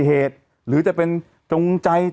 เหรอถอดไหม